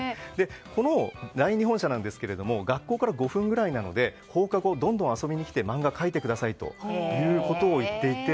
この第２本社ですが学校から５分ぐらいなので放課後、どんどん遊びに来て漫画を描いてくださいということを言っていて。